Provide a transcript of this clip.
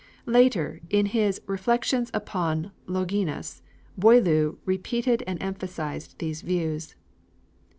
Later, in his 'Reflections upon Longinus,' Boileau repeated and emphasized these views.